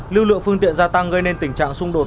lưu lượng phương tiện gia tăng gây nên tình trạng xung đột